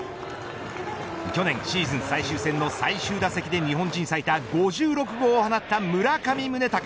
去年シーズン最終戦の最終打席で日本人最多５６号を放った村上宗隆。